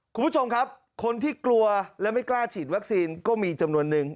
คุณผู้ชมครับคนที่กลัวและไม่กล้าฉีดวัคซีนก็มีจำนวนนึง